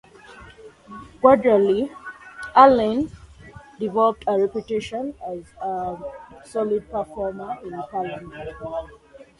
Gradually, Allen developed a reputation as a solid performer in Parliament.